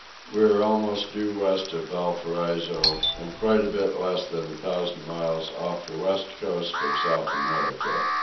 We are almost due west of Valparaiso and quite a bit less than a thousand miles off the west coast of South America.